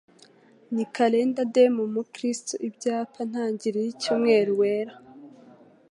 Ni Calendar Day Mu Umukristo Ibyapa ntangiriro Icyumweru Wera?